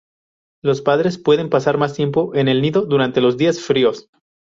Los padres pueden pasar más tiempo en el nido durante los días fríos.